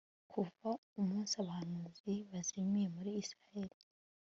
kuva umunsi abahanuzi bazimiye muri israheli